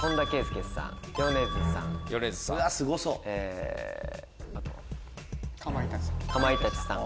すごそう。